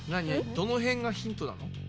どのへんがヒントなの？